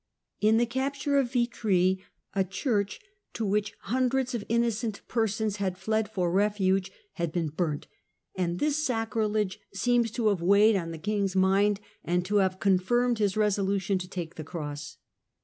In the capture of Yitry a church to which hundreds of innocent persons had fled for refuge, had been burnt, and this sacrilege seems to have weighed on the king's mind and to have confirmed his resolution to take the cross.